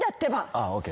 ああＯＫ。